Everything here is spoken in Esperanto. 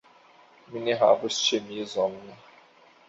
Mi ne havos ĉemizon